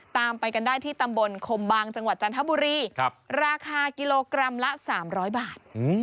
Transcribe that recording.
ตามไปกันได้ที่ตำบลคมบางจังหวัดจันทบุรีราคากิโลกรัมละ๓๐๐บาท